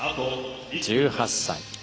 １８歳。